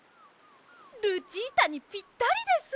ルチータにぴったりです！